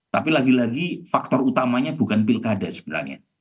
tapi lagi lagi faktor utamanya bukan pilkada sebenarnya